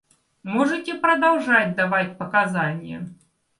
Можете продолжать давать показания.